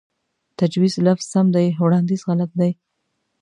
تجويز لفظ سم دے وړانديز غلط دے